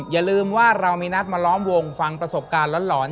อย่าลืมว่าเรามีนัดมาล้อมวงฟังประสบการณ์หลอน